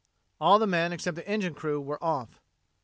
All the men, except the engine crew, were off.